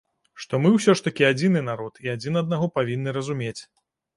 Што мы ўсё ж такі адзіны народ і адзін аднаго павінны разумець.